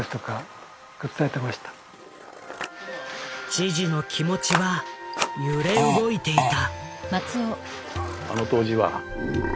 知事の気持ちは揺れ動いていた。